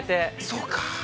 ◆そうか。